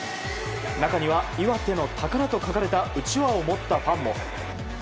中には「岩手の宝」と書かれたうちわを持ったファンも。